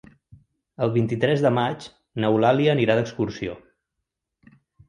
El vint-i-tres de maig n'Eulàlia anirà d'excursió.